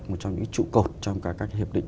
một trong những trụ cột trong các hiệp định